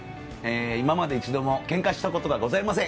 今まで一度も献花したことがございません。